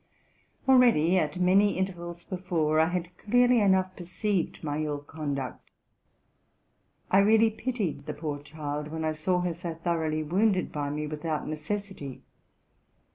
Already, at many intervals before, I had clearly enough perceived my ill conduct. I really pitied the poor child, when I saw her so thoroughly wounded by me, without necessity.